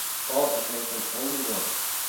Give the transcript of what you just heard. Paul is mentioned only once.